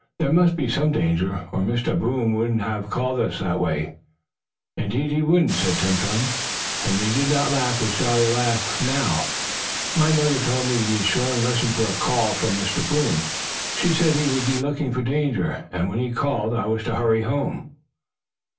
There must be some danger, or Mr. Boom wouldn't have called to us that way." "Indeed he wouldn't," said Tum Tum, and he did not laugh in his jolly way now. "My mother told me to be sure and listen for a call from Mr. Boom. She said he would be looking for danger, and when he called, I was to hurry home."